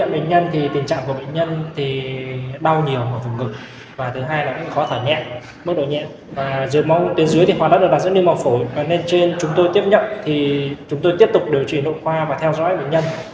bệnh nhân đã được đặt dẫn lưu mảng phổi và nên trên chúng tôi tiếp nhận thì chúng tôi tiếp tục điều trị nội khoa và theo dõi bệnh nhân